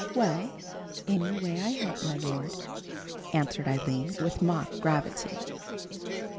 "Well, anyway I help, my Lord," answered Aline, with mock gravity.